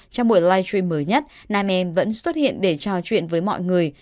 trong buổi live stream mới nhất nam em vẫn xuất hiện để trò chuyện với mọi người